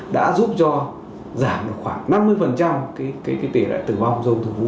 đã giúp cho giảm được khoảng năm mươi tỷ lệ tử vong dòng thường vũ